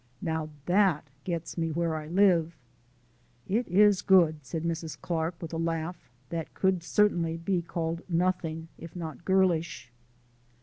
Now, that gets me where I live!" "It IS good!" said Mrs. Clark with a laugh that could certainly be called nothing if not girlish.